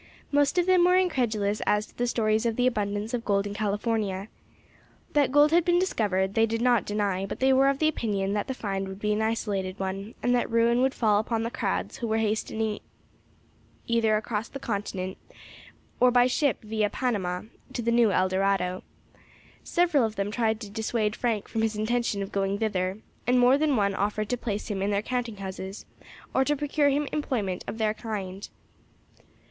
Most of them were incredulous as to the stories of the abundance of gold in California. That gold had been discovered they did not deny; but they were of opinion that the find would be an isolated one, and that ruin would fall upon the crowds who were hastening either across the continent, or by ship via Panama, to the new Eldorado. Several of them tried to dissuade Frank from his intention of going thither, and more than one offered to place him in their counting houses, or to procure him employment of other kind.